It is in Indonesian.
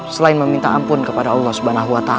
selain meminta ampun kepada allah swt